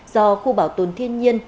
do khu bảo tồn thiên nhiên